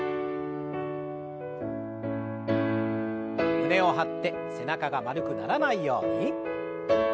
胸を張って背中が丸くならないように。